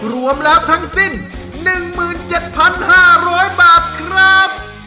รวมแล้วทั้งสิ้น๑๗๕๐๐บาทครับ